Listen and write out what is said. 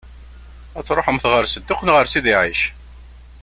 Ad tṛuḥemt ɣer Sedduq neɣ ɣer Sidi Ɛic?